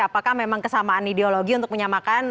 apakah memang kesamaan ideologi untuk menyamakan